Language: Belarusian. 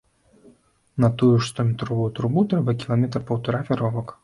На тую ж стометровую трубу трэба кіламетра паўтара вяровак.